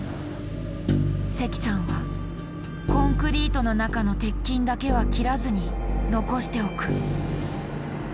関さんはコンクリートの中の鉄筋だけは切らずに残しておく。